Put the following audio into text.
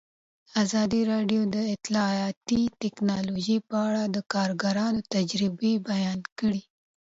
ازادي راډیو د اطلاعاتی تکنالوژي په اړه د کارګرانو تجربې بیان کړي.